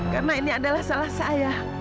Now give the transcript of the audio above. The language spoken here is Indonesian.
karena ini adalah salah saya